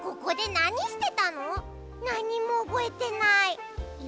なにもおぼえてない。